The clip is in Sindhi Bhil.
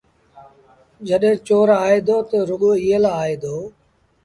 جڏهيݩٚ چور آئي دو تا رڳو ايٚئي لآ آئي دو